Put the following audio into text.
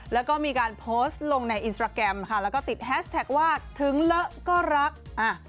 แล้วก็มีการโพสต์ลงในอินสตราแกรมค่ะแล้วก็ติดแฮสแท็กว่าถึงเลอะก็รักอ่ะ